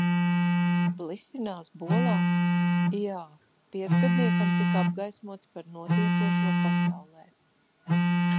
Blisinās, bolās. Jā, piecgadniekam tika apgaismots par notiekošo pasaulē.